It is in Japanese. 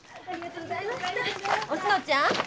おしのちゃん！